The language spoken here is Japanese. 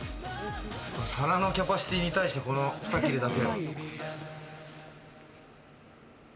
皿のキャパシティーに対してこの２切れだけ。